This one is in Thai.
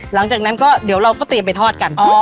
หลังจากนั้นก็เดี๋ยวเราก็เตรียมไปทอดกัน